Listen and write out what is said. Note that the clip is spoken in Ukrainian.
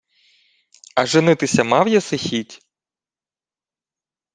— А женитися мав єси хіть?